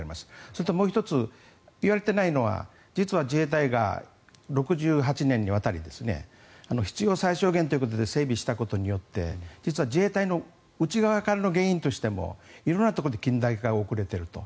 それともう１つ言われていないのは実は自衛隊が６８年にわたり必要最小限ということで整備したことによって実は自衛隊の内側からの原因としても色んなところで近代化が遅れていると。